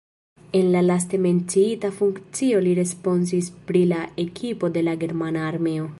En la laste menciita funkcio li responsis pri la ekipo de la germana armeo.